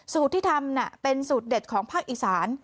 ที่ทำเป็นสูตรเด็ดของภาคอีสาน